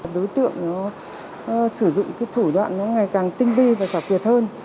đối tượng sử dụng thủ đoạn ngày càng tinh vi và giả quyệt hơn